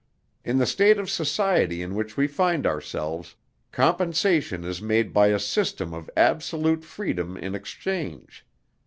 In the state of society in which we find ourselves, compensation is made by a system of absolute freedom in exchange.